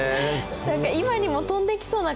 何か今にも跳んできそうな感じで。